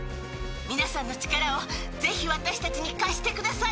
皆さんの力をぜひ私たちに貸してください。